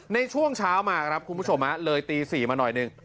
ในช่วงเช้ามาครับคุณผู้ชมเลยตี๔มาหน่อยหนึ่ง